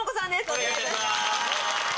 お願いいたします。